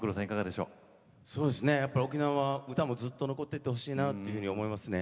沖縄は歌もずっと残っていってほしいなと思いますね。